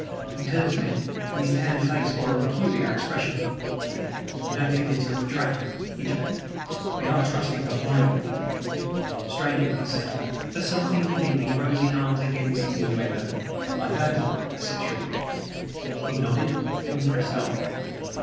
He turned to me, and his tanned face wore a peculiar expression. "You don't think it's a trap?" he jerked. "We are trusting her blindly." Strange it may seem, but something within me rose in arms against the innuendo. "I don't," I said shortly. He nodded. We pressed on.